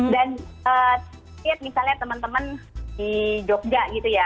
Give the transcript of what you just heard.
dan lihat misalnya teman teman di dokda gitu ya